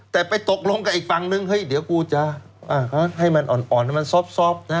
แต่ไปตกลงกับอีกฝั่งหนึ่งเฮ้ยเดี๋ยวกูจะอ่าให้มันอ่อนอ่อนให้มันซอฟต์ซอฟต์นะ